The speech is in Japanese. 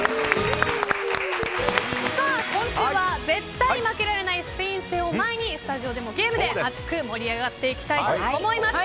今週は絶対負けられないスペイン戦を前にスタジオでもゲームで熱く盛り上がっていきたいと思います。